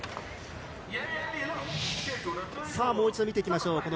もう一度、見ていきましょう。